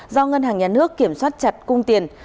do ngân hàng nhà nước kiểm soát chặt cung tiền